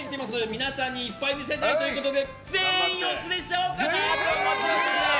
皆さんにいっぱい見せたいということで全員お連れしようかなと思っております！